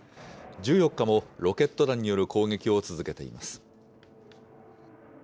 １４日もロケット弾による攻撃を続けています。